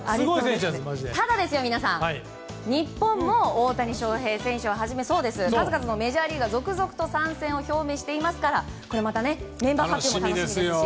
ただ、日本も大谷翔平選手をはじめ数々のメジャーリーガーが続々と参戦表明していますからこれまたメンバー発表も楽しみですし。